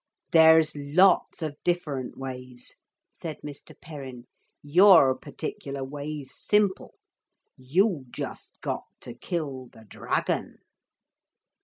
'There's lots of different ways,' said Mr. Perrin. 'Your particular way's simple. You just got to kill the dragon.'